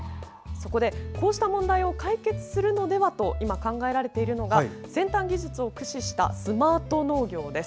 こうした問題を解決するのではと考えられているのが先端技術を駆使したスマート農業です。